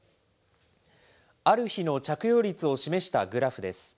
ある日の着用率を示したグラフです。